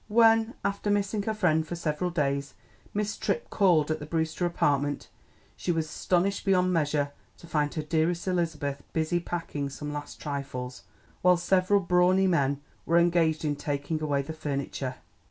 When, after missing her friend for several days, Miss Tripp called at the Brewster apartment she was astonished beyond measure to find her dearest Elizabeth busy packing some last trifles, while several brawny men were engaged in taking away the furniture.